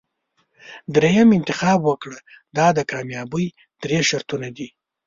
دریم انتخاب وکړه دا د کامیابۍ درې شرطونه دي.